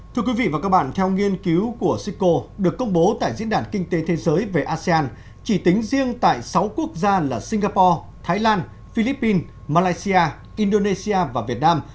thưa quý vị và các bạn theo nghiên cứu của sico được công bố tại diễn đàn kinh tế thế giới về asean chỉ tính riêng tại sáu quốc gia là singapore thái lan philippines malaysia indonesia và việt nam